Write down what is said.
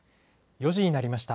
４時になりました。